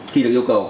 khi được yêu cầu